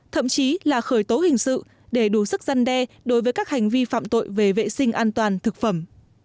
thậm chí là khởi tố hình sự để đủ sức gian đe đối với các hành vi phạm tội về vệ sinh an toàn thực phẩm